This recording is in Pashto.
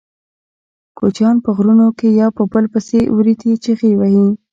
کوچیان په غرونو کې یو په بل پسې وریتې چیغې وهي.